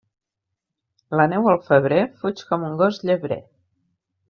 La neu al febrer fuig com un gos llebrer.